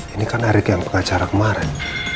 ini kan erick yang pengacara kemarin